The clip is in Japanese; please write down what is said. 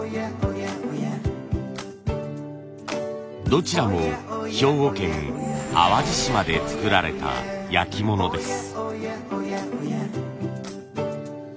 どちらも兵庫県淡路島で作られた焼き物です。